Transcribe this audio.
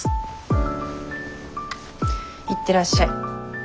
いってらっしゃい。